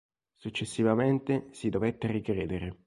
Successivamente si dovette ricredere.